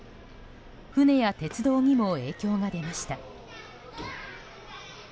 船や鉄道にも影響が出ました。